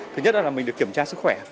thứ nhất là mình được kiểm tra sức khỏe